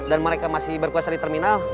dan mereka masih berkuasa di terminal